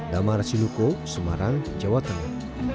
damar rasiluko semarang jawa tengah